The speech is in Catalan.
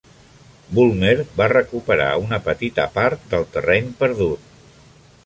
Bulmer va recuperar una petita part del terreny perdut.